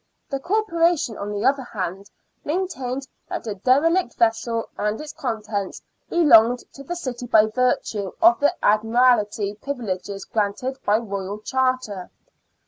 The Corporation, on the other hand, maintained that the dere lict vessel and its contents belonged to the city by virtue of the Admiralty privileges granted by Royal charter.